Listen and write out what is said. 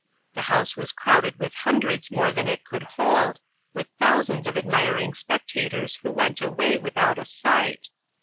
The house was crowded with hundreds more than it could hold, with thousands of admiring spectators who went away without a sight.